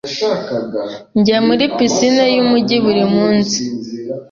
Njya muri pisine yumujyi buri munsi.